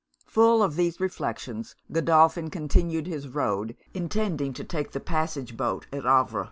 Full of these reflections, Godolphin continued his road, intending to take the passage boat at Havre.